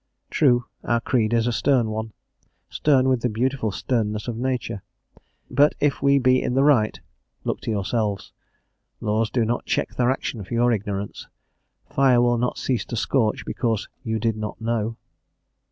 True, our creed is a stern one, stern with the beautiful sternness of Nature. But if we be in the right, look to yourselves: laws do not check their action for your ignorance; fire will not cease to scorch, because "you did not know."